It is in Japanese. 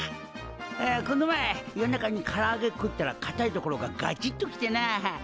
あこの前夜中にからあげ食ったらかたい所がガチッと来てなあ。